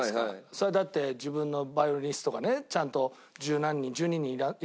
それはだって自分のバイオリニストがねちゃんと十何人１２人いらっしゃるんですか？